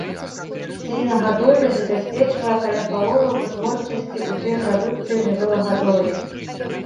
Свінагадоўля забяспечвае каля паловы вытворчасці ўсёй прадукцыі жывёлагадоўлі.